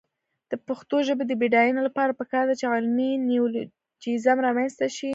د پښتو ژبې د بډاینې لپاره پکار ده چې علمي نیولوجېزم رامنځته شي.